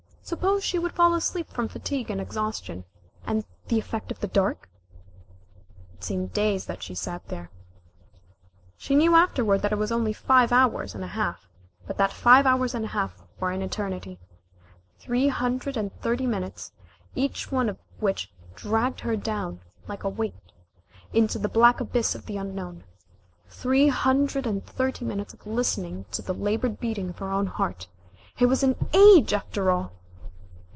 Suppose she should fall asleep from fatigue and exhaustion, and the effect of the dark? It seemed days that she sat there. She knew afterward that it was only five hours and a half, but that five hours and a half were an eternity three hundred and thirty minutes, each one of which dragged her down, like a weight, into the black abyss of the unknown; three hundred and thirty minutes of listening to the labored beating of her own heart it was an age, after all!